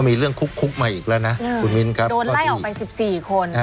ก็มีเรื่องคุกมาอีกแล้วนะโดนไล่ออกไป๑๔คน